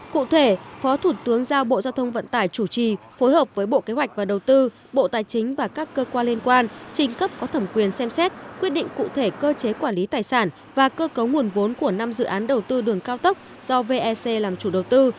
cụ thể phó thủ tướng giao bộ giao thông vận tải chủ trì phối hợp với bộ kế hoạch và đầu tư bộ tài chính và các cơ quan liên quan trình cấp có thẩm quyền xem xét quyết định cụ thể cơ chế quản lý tài sản và cơ cấu nguồn vốn của năm dự án đầu tư đường cao tốc do vec làm chủ đầu tư